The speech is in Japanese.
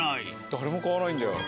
誰も買わないんだよ。